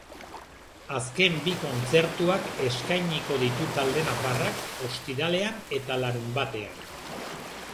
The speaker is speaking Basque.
Azken bi kontzertuak eskainiko ditu talde nafarrak, ostiralean eta larunbatean.